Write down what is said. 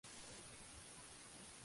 No hay mensajes de abandono del grupo.